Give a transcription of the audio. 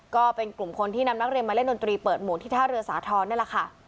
ก็เป็นกลุ่มคนที่นำนักเรียนมาเล่นดนตรีเปิดหมวดที่ท่าเรือสาธรณ์นี่แหละค่ะ